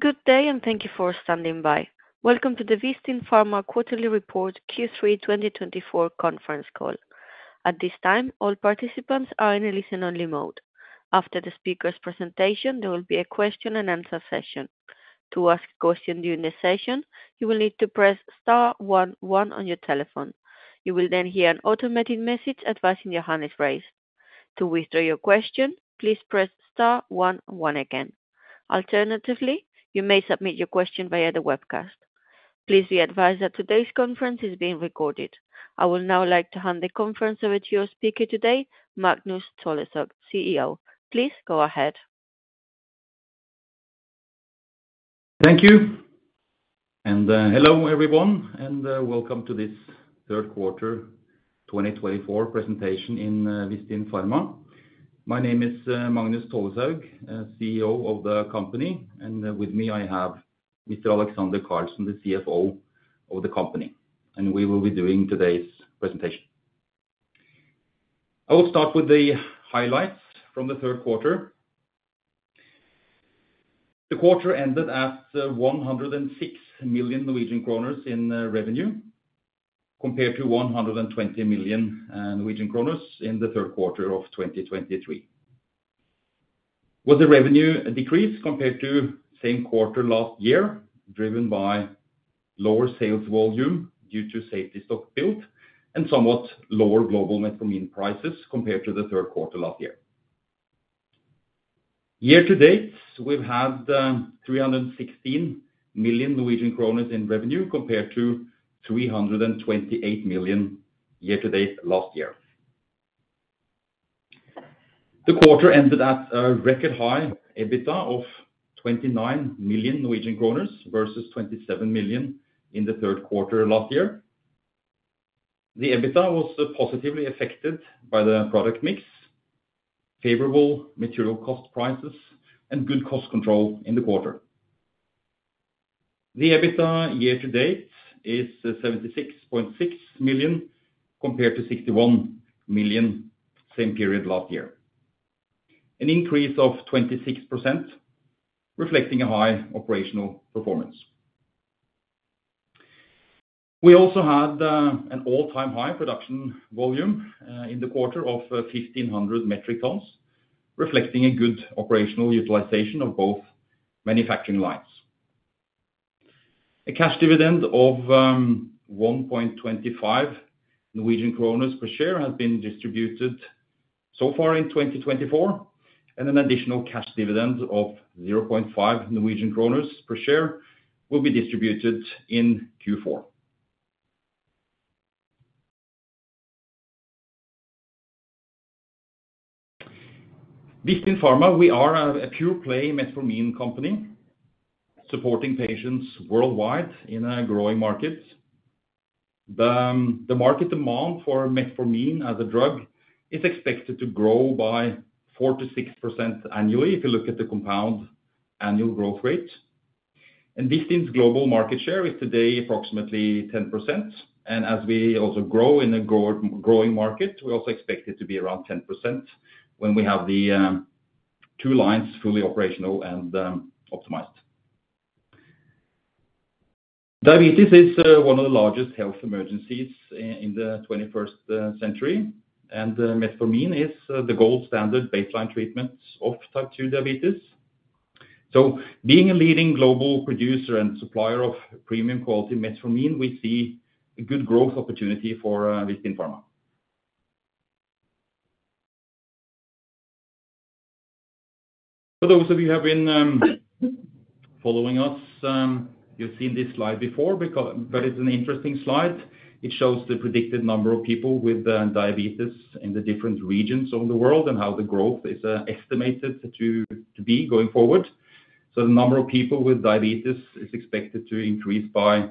Good day, and thank you for standing by. Welcome to the Vistin Pharma Quarterly Report Q3 2024 Conference Call. At this time, all participants are in a listen-only mode. After the speaker's presentation, there will be a question-and-answer session. To ask a question during the session, you will need to press star one one on your telephone. You will then hear an automated message advising your hand is raised. To withdraw your question, please press star one one again. Alternatively, you may submit your question via the webcast. Please be advised that today's conference is being recorded. I would now like to hand the conference over to your speaker today, Magnus Tolleshaug, CEO. Please go ahead. Thank you, and hello, everyone, and welcome to this third quarter 2024 presentation in Vistin Pharma. My name is Magnus Tolleshaug, CEO of the company, and with me, I have Mr. Alexander Karlsen, the CFO of the company, and we will be doing today's presentation. I will start with the highlights from the third quarter. The quarter ended at 106 million Norwegian kroner in revenue, compared to 120 million Norwegian kroner in the third quarter of 2023. Which was a decrease compared to the same quarter last year, driven by lower sales volume due to safety stock build and somewhat lower global Metformin prices compared to the third quarter last year. Year to date, we've had 316 million Norwegian kroner in revenue compared to 328 million year to date last year. The quarter ended at a record high EBITDA of 29 million Norwegian kroner versus 27 million in the third quarter last year. The EBITDA was positively affected by the product mix, favorable material cost prices, and good cost control in the quarter. The EBITDA year to date is 76.6 million compared to 61 million same period last year, an increase of 26%, reflecting a high operational performance. We also had an all-time high production volume in the quarter of 1,500 metric tons, reflecting a good operational utilization of both manufacturing lines. A cash dividend of 1.25 Norwegian kroner per share has been distributed so far in 2024, and an additional cash dividend of 0.5 Norwegian kroner per share will be distributed in Q4. Vistin Pharma, we are a pure-play Metformin company, supporting patients worldwide in a growing market. The market demand for Metformin as a drug is expected to grow by 4%-6% annually if you look at the compound annual growth rate. And Vistin's global market share is today approximately 10%, and as we also grow in a growing market, we also expect it to be around 10% when we have the two lines fully operational and optimized. Diabetes is one of the largest health emergencies in the 21st century, and Metformin is the gold standard baseline treatment of Type 2 diabetes. So, being a leading global producer and supplier of premium quality Metformin, we see a good growth opportunity for Vistin Pharma. For those of you who have been following us, you've seen this slide before, but it's an interesting slide. It shows the predicted number of people with diabetes in the different regions of the world and how the growth is estimated to be going forward. So, the number of people with diabetes is expected to increase by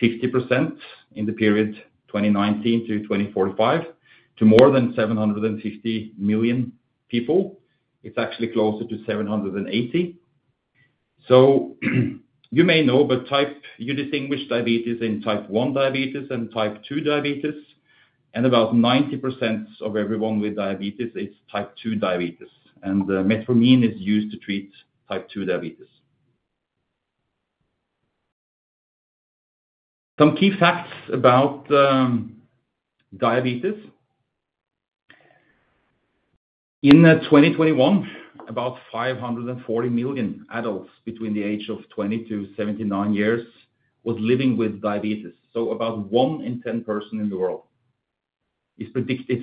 50% in the period 2019 to 2045 to more than 750 million people. It's actually closer to 780. So, you may know, but you distinguish diabetes in type 1 diabetes and Type 2 diabetes, and about 90% of everyone with diabetes is Type 2 diabetes, and Metformin is used to treat Type 2 diabetes. Some key facts about diabetes. In 2021, about 540 million adults between the age of 20 to 79 years were living with diabetes, so about one in 10 persons in the world. It's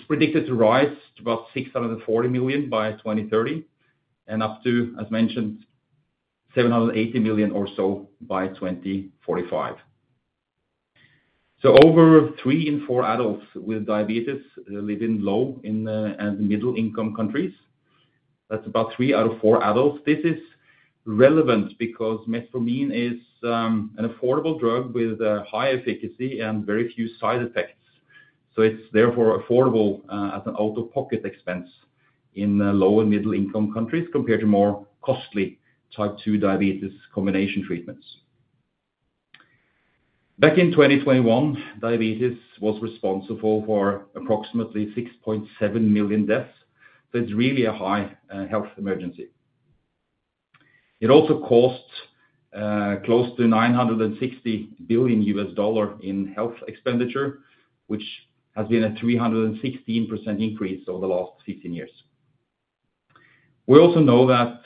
predicted to rise to about 640 million by 2030 and up to, as mentioned, 780 million or so by 2045. Over three in four adults with diabetes live in low and middle-income countries. That's about three out of four adults. This is relevant because Metformin is an affordable drug with high efficacy and very few side effects. It's therefore affordable as an out-of-pocket expense in low and middle-income countries compared to more costly Type 2 diabetes combination treatments. Back in 2021, diabetes was responsible for approximately 6.7 million deaths, so it's really a high health emergency. It also cost close to $960 billion in health expenditure, which has been a 316% increase over the last 15 years. We also know that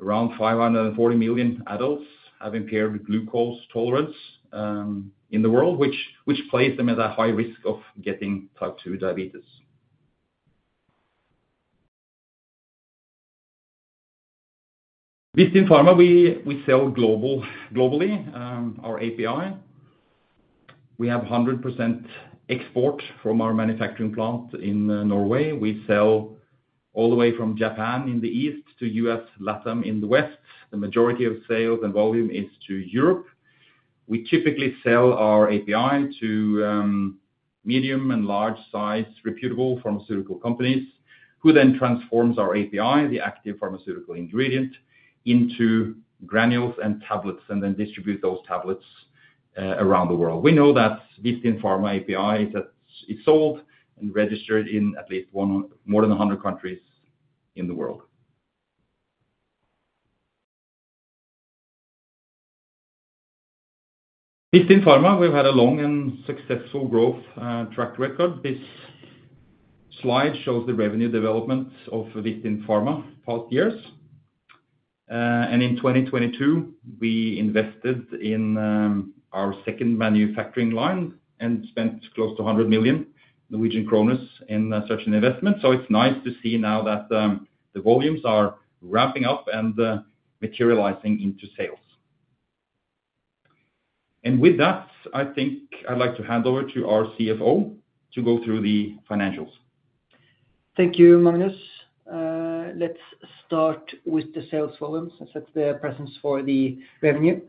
around 540 million adults have impaired glucose tolerance in the world, which places them at a high risk of getting Type 2 diabetes. Vistin Pharma, we sell globally our API. We have 100% export from our manufacturing plant in Norway. We sell all the way from Japan in the east to US, Latam in the west. The majority of sales and volume is to Europe. We typically sell our API to medium and large-sized reputable pharmaceutical companies, who then transform our API, the active pharmaceutical ingredient, into granules and tablets, and then distribute those tablets around the world. We know that Vistin Pharma API is sold and registered in at least more than 100 countries in the world. Vistin Pharma, we've had a long and successful growth track record. This slide shows the revenue development of Vistin Pharma in past years. And in 2022, we invested in our second manufacturing line and spent close to 100 million Norwegian kroner in such an investment. So, it's nice to see now that the volumes are ramping up and materializing into sales. And with that, I think I'd like to hand over to our CFO to go through the financials. Thank you, Magnus. Let's start with the sales volumes and set the precedence for the revenue.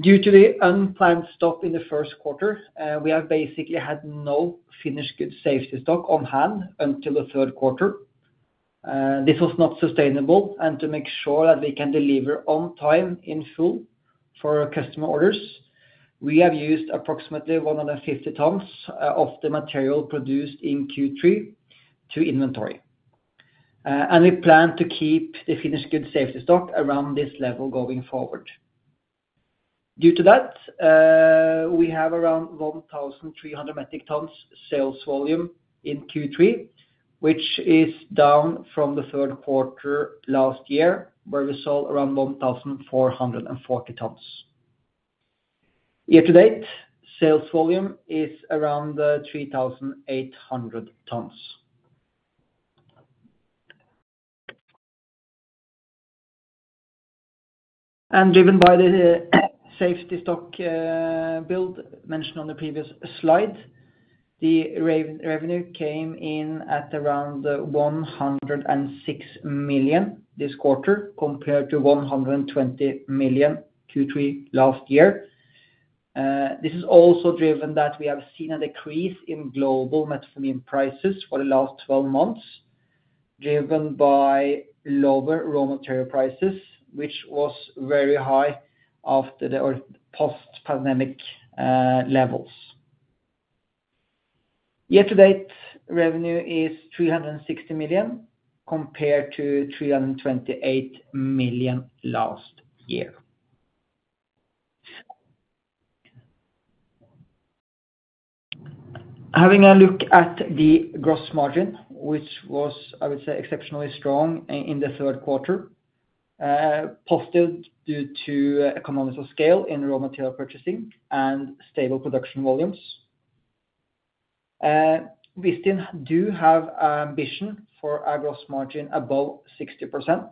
Due to the unplanned stop in the first quarter, we have basically had no finished goods safety stock on hand until the third quarter. This was not sustainable, and to make sure that we can deliver on time in full for customer orders, we have used approximately 150 tons of the material produced in Q3 to inventory, and we plan to keep the finished goods safety stock around this level going forward. Due to that, we have around 1,300 metric tons sales volume in Q3, which is down from the third quarter last year, where we sold around 1,440 tons. Year to date, sales volume is around 3,800 tons. Driven by the safety stock build mentioned on the previous slide, the revenue came in at around 106 million this quarter compared to 120 million Q3 last year. This is also driven by that we have seen a decrease in global Metformin prices for the last 12 months, driven by lower raw material prices, which was very high after the post-pandemic levels. Year to date, revenue is 360 million compared to 328 million last year. Having a look at the gross margin, which was, I would say, exceptionally strong in the third quarter, positive due to economies of scale in raw material purchasing and stable production volumes. Vistin does have an ambition for a gross margin above 60%.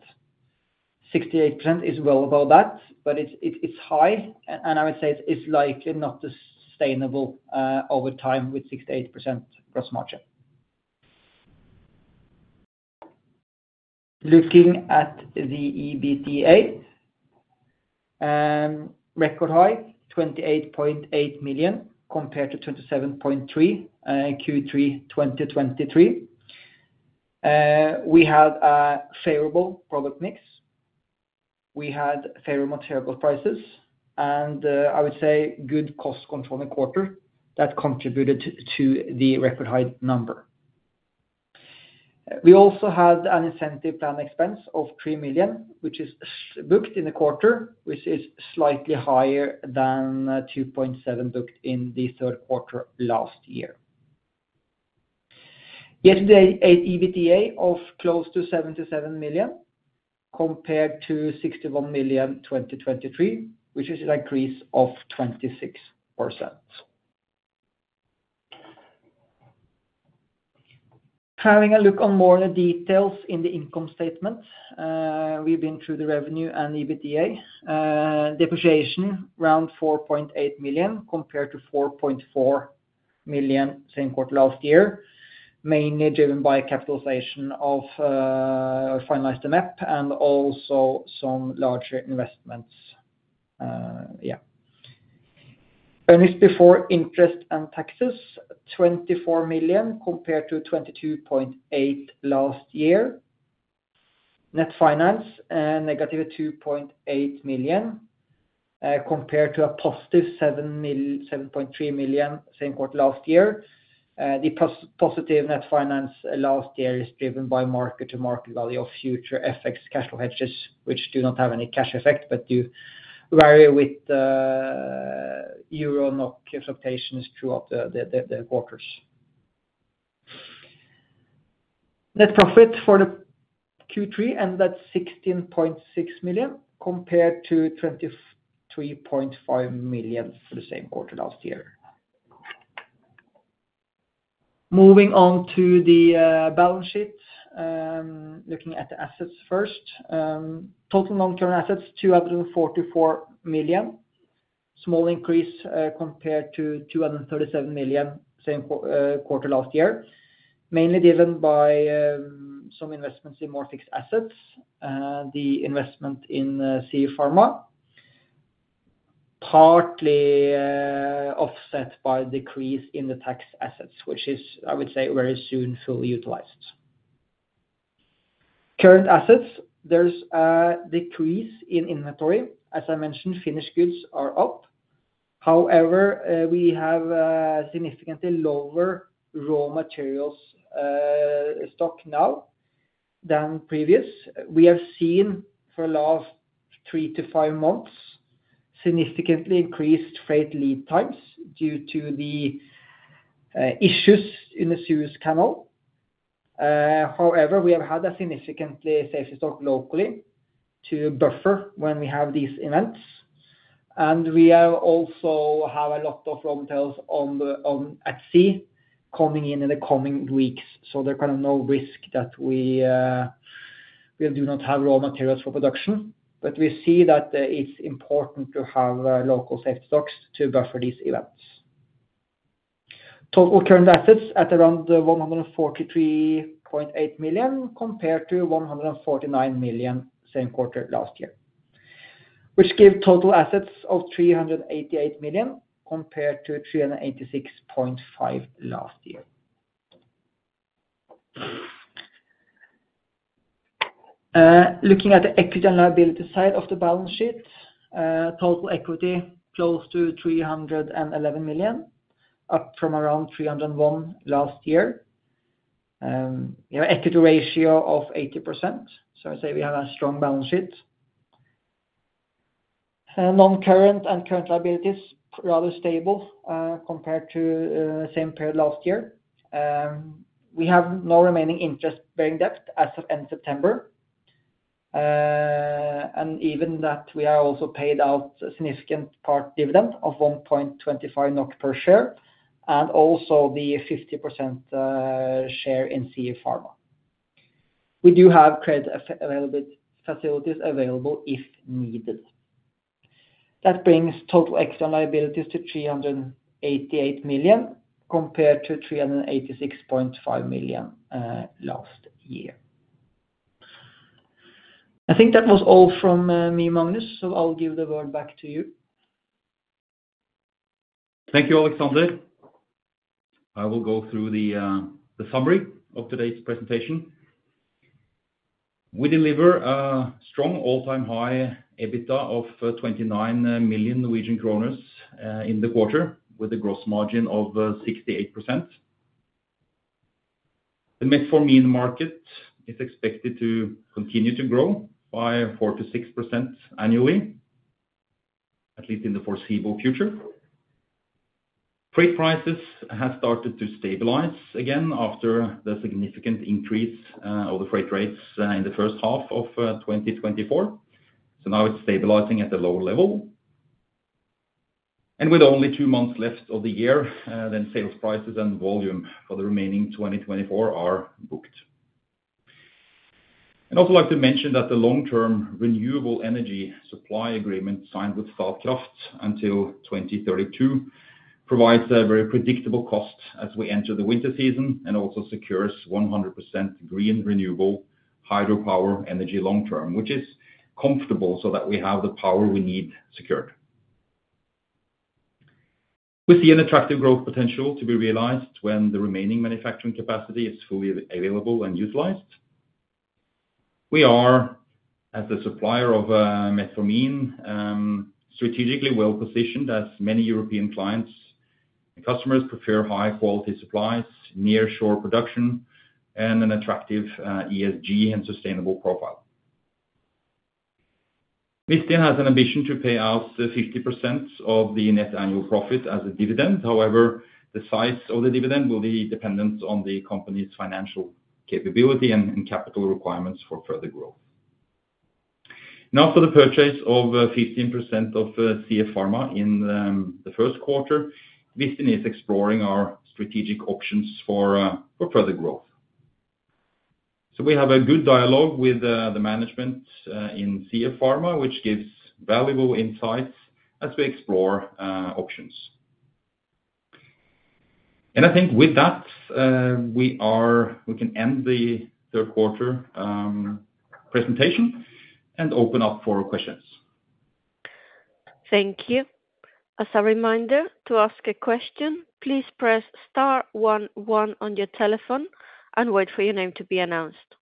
68% is well above that, but it's high, and I would say it's likely not sustainable over time with 68% gross margin. Looking at the EBITDA, record high, 28.8 million compared to 27.3 million in Q3 2023. We had a favorable product mix. We had favorable material prices, and I would say good cost control in the quarter that contributed to the record high number. We also had an incentive plan expense of 3 million, which is booked in the quarter, which is slightly higher than 2.7 million booked in the third quarter last year. Year to date, EBITDA of close to 77 million compared to 61 million in 2023, which is an increase of 26%. Having a look on more details in the income statement, we've been through the revenue and EBITDA. Depreciation around 4.8 million compared to 4.4 million same quarter last year, mainly driven by capitalization of finalized MEP and also some larger investments. Yeah. Earnings before interest and taxes, 24 million compared to 22.8 million last year. Net finance, negative 2.8 million compared to a positive 7.3 million same quarter last year. The positive net finance last year is driven by mark-to-market value of future FX cash flow hedges, which do not have any cash effect but do vary with Euro and NOK fluctuations throughout the quarters. Net profit for Q3 ended at 16.6 million compared to 23.5 million for the same quarter last year. Moving on to the balance sheet, looking at the assets first. Total non-current assets, 244 million. Small increase compared to 237 million same quarter last year, mainly driven by some investments in more fixed assets, the investment in CF Pharma. Partly offset by decrease in the tax assets, which is, I would say, very soon fully utilized. Current assets, there's a decrease in inventory. As I mentioned, finished goods are up. However, we have a significantly lower raw materials stock now than previous. We have seen for the last three-to-five months significantly increased freight lead times due to the issues in the Suez Canal. However, we have had a significantly safety stock locally to buffer when we have these events, and we also have a lot of raw materials at sea coming in in the coming weeks, so there's kind of no risk that we will do not have raw materials for production, but we see that it's important to have local safety stocks to buffer these events. Total current assets at around 143.8 million compared to 149 million same quarter last year, which gives total assets of 388 million compared to 386.5 million last year. Looking at the equity and liability side of the balance sheet, total equity close to 311 million, up from around 301 last year. We have an equity ratio of 80%, so I would say we have a strong balance sheet. Non-current and current liabilities rather stable compared to the same period last year. We have no remaining interest-bearing debt as of end September, and even that, we have also paid out a significant part dividend of 1.25 NOK per share and also the 15% share in CF Pharma. We do have credit availability facilities available if needed. That brings total equity and liabilities to 388 million NOK compared to 386.5 million NOK last year. I think that was all from me and Magnus, so I'll give the word back to you. Thank you, Alexander. I will go through the summary of today's presentation. We deliver a strong all-time high EBITDA of 29 million Norwegian kroner in the quarter with a gross margin of 68%. The Metformin market is expected to continue to grow by 4%-6% annually, at least in the foreseeable future. Freight prices have started to stabilize again after the significant increase of the freight rates in the first half of 2024, so now it's stabilizing at a low level, and with only two months left of the year, then sales prices and volume for the remaining 2024 are booked. I'd also like to mention that the long-term renewable energy supply agreement signed with Statkraft until 2032 provides a very predictable cost as we enter the winter season and also secures 100% green renewable hydropower energy long-term, which is comfortable so that we have the power we need secured. We see an attractive growth potential to be realized when the remaining manufacturing capacity is fully available and utilized. We are, as a supplier of Metformin, strategically well-positioned as many European clients and customers prefer high-quality supplies, near-shore production, and an attractive ESG and sustainable profile. Vistin has an ambition to pay out 50% of the net annual profit as a dividend. However, the size of the dividend will be dependent on the company's financial capability and capital requirements for further growth. Now, for the purchase of 15% of CF Pharma in the first quarter, Vistin is exploring our strategic options for further growth. So we have a good dialogue with the management in CF Pharma, which gives valuable insights as we explore options. And I think with that, we can end the third quarter presentation and open up for questions. Thank you. As a reminder, to ask a question, please press star one one on your telephone and wait for your name to be announced.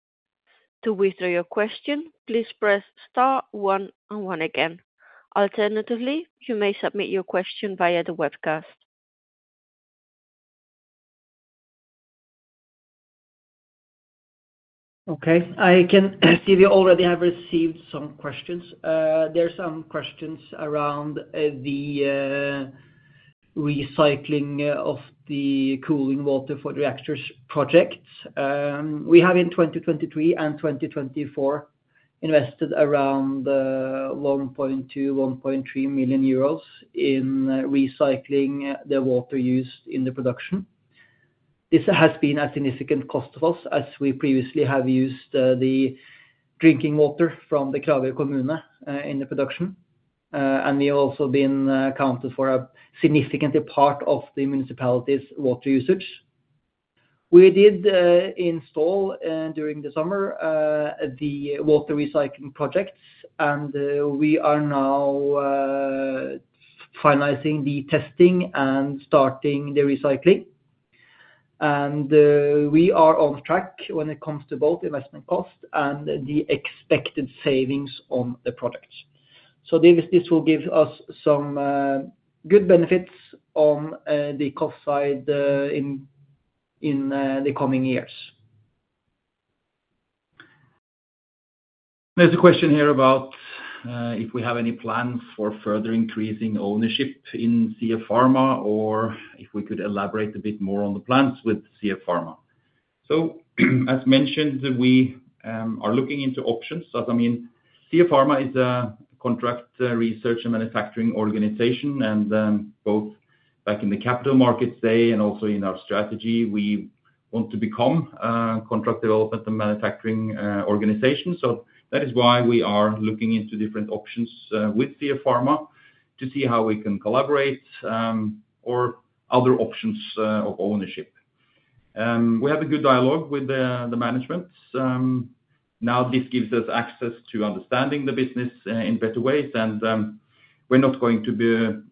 To withdraw your question, please press star one one again. Alternatively, you may submit your question via the webcast. Okay, I can see we already have received some questions. There are some questions around the recycling of the cooling water for the reactors project. We have, in 2023 and 2024, invested around 1.2 million-1.3 million euros in recycling the water used in the production. This has been a significant cost for us as we previously have used the drinking water from the Kragerø Commune in the production, and we have also been accounted for a significant part of the municipality's water usage. We did install during the summer the water recycling projects, and we are now finalizing the testing and starting the recycling, and we are on track when it comes to both investment costs and the expected savings on the product, so this will give us some good benefits on the cost side in the coming years. There's a question here about if we have any plans for further increasing ownership in CF Pharma or if we could elaborate a bit more on the plans with CF Pharma. So, as mentioned, we are looking into options. So, I mean, CF Pharma is a contract research and manufacturing organization, and both back in the capital markets day and also in our strategy, we want to become a contract development and manufacturing organization. So that is why we are looking into different options with CF Pharma to see how we can collaborate or other options of ownership. We have a good dialogue with the management. Now, this gives us access to understanding the business in better ways, and we're not going to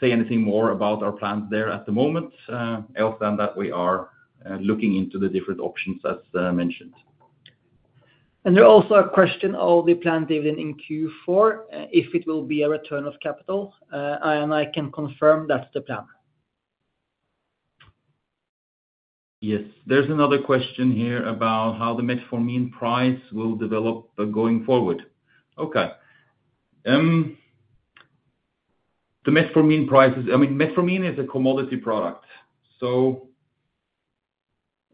say anything more about our plans there at the moment other than that we are looking into the different options, as mentioned. There's also a question on the planned dividend in Q4, if it will be a return of capital. I can confirm that's the plan. Yes, there's another question here about how the Metformin price will develop going forward. Okay. The Metformin price is, I mean, Metformin is a commodity product. So,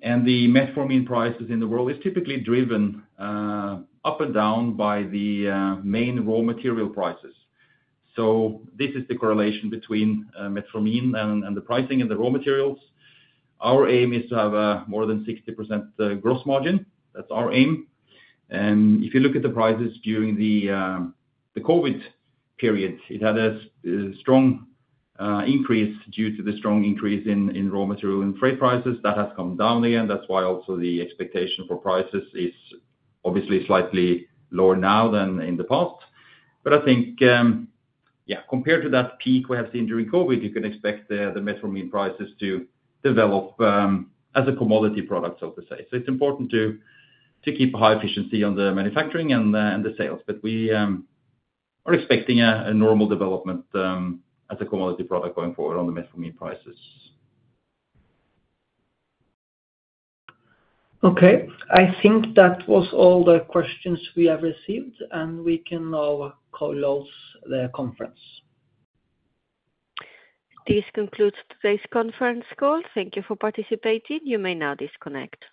and the Metformin prices in the world are typically driven up and down by the main raw material prices. So this is the correlation between Metformin and the pricing and the raw materials. Our aim is to have more than 60% gross margin. That's our aim. And if you look at the prices during the COVID period, it had a strong increase due to the strong increase in raw material and freight prices. That has come down again. That's why also the expectation for prices is obviously slightly lower now than in the past. But I think, yeah, compared to that peak we have seen during COVID, you can expect the Metformin prices to develop as a commodity product, so to say. So it's important to keep a high efficiency on the manufacturing and the sales. But we are expecting a normal development as a commodity product going forward on the Metformin prices. Okay, I think that was all the questions we have received, and we can now close the conference. This concludes today's conference call. Thank you for participating. You may now disconnect.